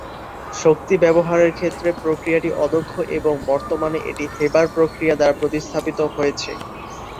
শক্তি ব্যবহারের ক্ষেত্রে প্রক্রিয়াটি অদক্ষ এবং বর্তমানে এটি হেবার প্রক্রিয়া দ্বারা প্রতিস্থাপিত হয়েছে।